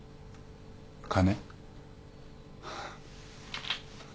金？